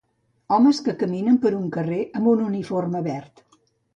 Homes que caminen per un carrer amb un uniforme verd.